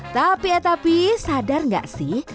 tapi ya tapi sadar gak sih